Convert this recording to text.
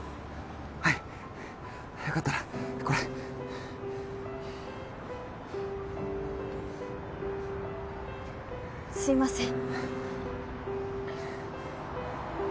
はいよかったらこれすいません